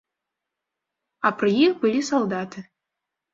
А пры іх былі салдаты.